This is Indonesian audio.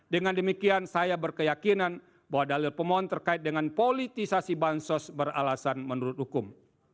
dengan demikian saya berkeyakinan bahwa dalil pemohon terkait dengan politisasi bansos beralasan menurut hukum